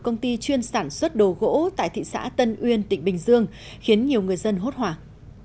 công ty chuyên sản xuất đồ gỗ tại thị xã tân uyên tỉnh bình dương khiến nhiều người dân hốt hoảng